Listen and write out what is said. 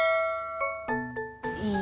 saya pengkhianat apa